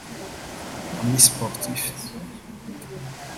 Amis Sportifs